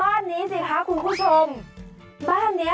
โอ้แม่ทราบจริง